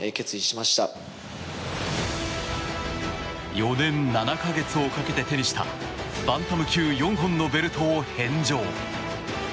４年７か月をかけて手にしたバンタム級４本のベルトを返上。